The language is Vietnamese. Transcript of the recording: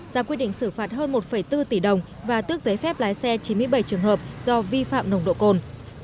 ra quyết định xử phạt hơn một bốn tỷ đồng và tước giấy phép lái xe chín mươi bảy trường hợp do vi phạm nồng độ cồn